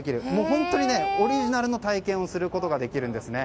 本当にオリジナルの体験をすることができるんですね。